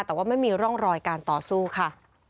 แต่ว่าไม่มีร่องรอยการต่อสู้ค่ะ